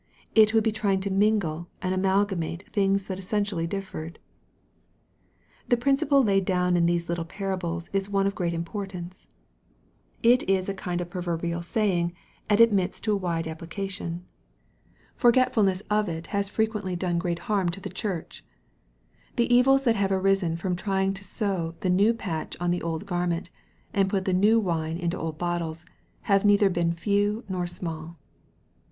It would be trying to mingle and amalgamate things that essen tially differed. The principle laid down in these little parables is one of great importance. T t is a kind of proverbial saying, MARK, CHAP. n. 35 and admits of a wide application. Forgetful ness of it has frequently done great harm in the Church. The evils that have arisen from trying to sew the new patch on the old garment, and put the new wine into old bottles, have neither been few nor small.